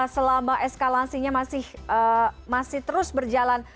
selama eskalasinya masih terus berjalan memanas di siang siang tersebut